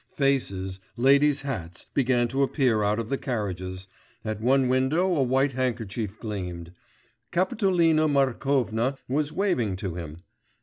Faces, ladies' hats began to appear out of the carriages, at one window a white handkerchief gleamed.... Kapitolina Markovna was waving to him....